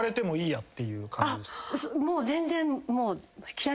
もう全然。